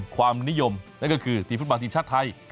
ความนิยมนั่นก็คือทีมฟุตบอลทีมชาติไทย